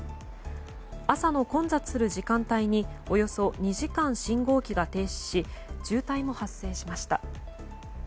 朝の混雑する時間帯におよそ２時間信号機が停止し渋滞も発生しました。